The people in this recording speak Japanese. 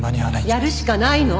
やるしかないの。